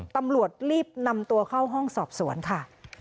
ตำรวจรีบนำตัวเข้าห้องสอบสวนค่ะ